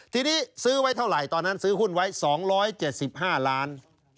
ทีนี้ซื้อไว้เท่าไหร่ตอนนั้นซื้อหุ้นไว้๒๗๕ล้าน